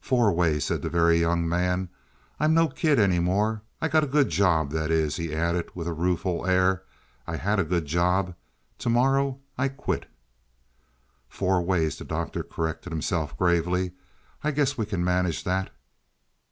"Four ways," said the Very Young Man. "I'm no kid any more. I got a good job that is," he added with a rueful air, "I had a good job. To morrow I quit." "Four ways," the Doctor corrected himself gravely. "I guess we can manage that."